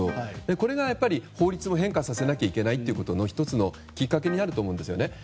これが法律も変化させなきゃいけないということの１つのきっかけになると思うんですね。